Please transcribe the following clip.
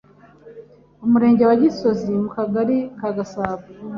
Umurenge wa Gisozi, mu Kagali ka Gasabo.